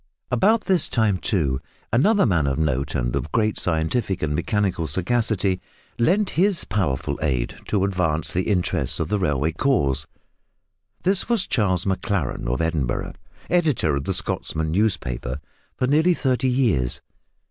About this time, too, another man of note and of great scientific and mechanical sagacity lent his powerful aid to advance the interests of the railway cause. This was Charles Maclaren, of Edinburgh, editor of the Scotsman newspaper for nearly thirty years.